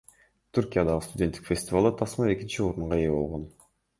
Түркиядагы студенттик фестивалда тасма экинчи орунга ээ болгон.